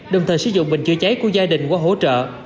đồng thời sử dụng bình chữa cháy của gia đình qua hỗ trợ